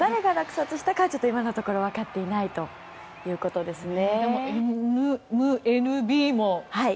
誰が落札したかは今のところわかっていないということですね。